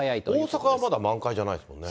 大阪はまだ満開じゃないですもんね。